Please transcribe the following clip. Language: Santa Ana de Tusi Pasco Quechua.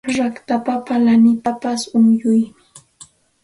Rakapapas lanipapas unquynin